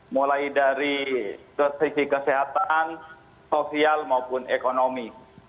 mulai dari sisi kesehatan sosial maupun ekonomi